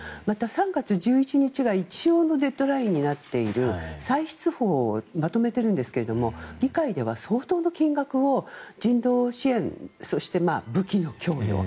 また、３月１１日が一応のデッドラインになっている歳出法をまとめているんですけど議会では相当の金額を人道支援、そして武器の供与